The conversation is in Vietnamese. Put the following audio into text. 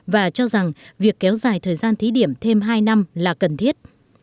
và cho rằng việc kéo dài thời gian thí điểm thêm hai năm là cần thiết